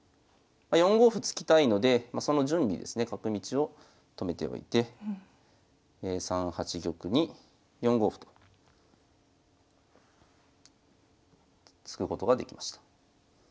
４五歩突きたいのでその準備ですね角道を止めておいて３八玉に４五歩と突くことができました。